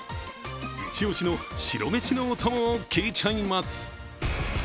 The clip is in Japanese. イチオシの白飯のお供を聞いちゃいます。